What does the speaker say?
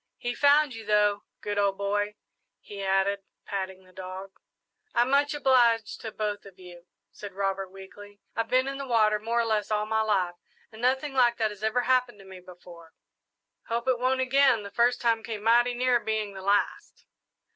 He found you, though. Good old boy," he added, patting the dog. "I'm much obliged to both of you," said Robert weakly. "I've been in the water more or less all my life, and nothing like that ever happened to me before." "Hope it won't again the first time came mighty near being the last."